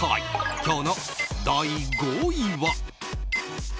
今日の第５位は。